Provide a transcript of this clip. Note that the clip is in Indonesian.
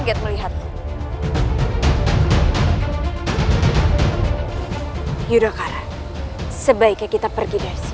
setelah luar buku itu rupanya